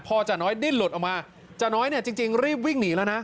พอจ่าน้อยดิ้นหลุดออกมาจาน้อยเนี่ยจริงรีบวิ่งหนีแล้วนะ